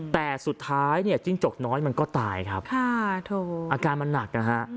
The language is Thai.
แต่สุดท้ายเนี่ยจิ้งจกน้อยมันก็ตายครับค่ะอาการมันหนักนะฮะ